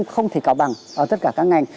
không thể cào bằng ở tất cả các ngành